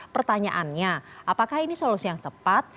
pertanyaannya apakah ini solusi yang tepat